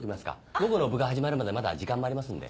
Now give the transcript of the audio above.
午後の部が始まるまでまだ時間もありますんで。